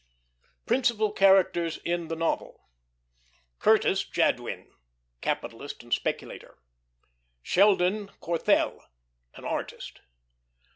Principal Characters in the Novel CURTIS JADWIN, capitalist and speculator. SHELDON CORTHELL, an artist.